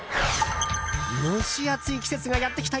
蒸し暑い季節がやってきた